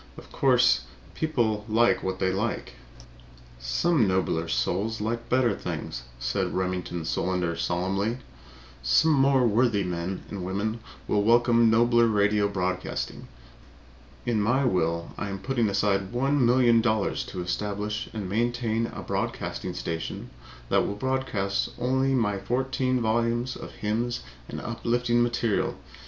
Of course, people like what they like." "Some nobler souls like better things," said Remington Solander solemnly. "Some more worthy men and women will welcome nobler radio broadcasting. In my will I am putting aside one million dollars to establish and maintain a broadcasting station that will broadcast only my fourteen volumes of hymns and uplifting material.